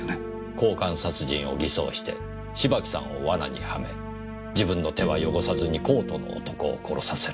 交換殺人を偽装して芝木さんを罠にはめ自分の手は汚さずにコートの男を殺させる。